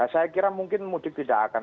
saya kira mungkin mudik tidak akan